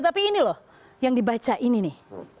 tapi ini loh yang dibaca ini nih